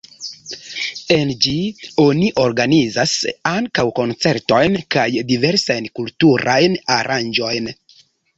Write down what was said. En ĝi oni organizas ankaŭ koncertojn kaj diversajn kulturajn aranĝojn.